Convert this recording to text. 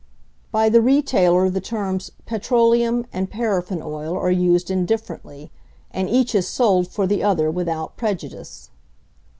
By the retailer the terms 'petroleum' and 'paraffin' oil are used indifferently, and each is sold for the other without prejudice.